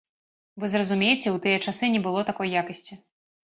Вы зразумейце, у тыя часы не было такой якасці.